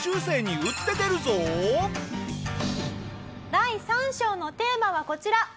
第三章のテーマはこちら。